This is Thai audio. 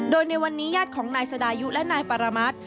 โดยในวันนี้ญาติของนายสดายุและนายปรมัติ